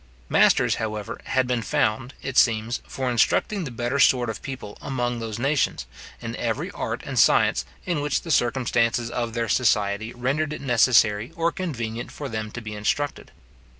Masters, however, had been found, it seems, for instructing the better sort of people among those nations, in every art and science in which the circumstances of their society rendered it necessary or convenient for them to be instructed.